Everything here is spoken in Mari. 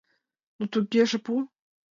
— Тугеже пу.